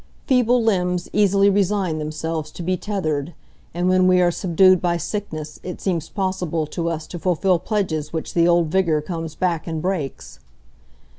Feeble limbs easily resign themselves to be tethered, and when we are subdued by sickness it seems possible to us to fulfil pledges which the old vigor comes back and breaks.